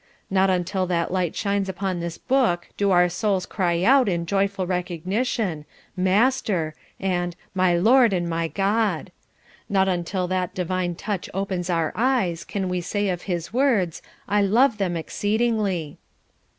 Not until that light shines upon the book do our souls cry out in joyful recognition, 'Master' and 'My Lord and my God.' Not until that Divine touch opens our eyes can we say of his words, 'I love them exceedingly.'"